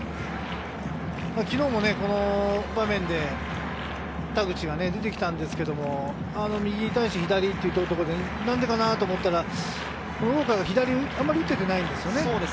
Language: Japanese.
昨日もこの場面で田口が出てきたんですけれども、右対左というところで何でかなと思ったら、ウォーカーはあまり左を打てていないんですよね。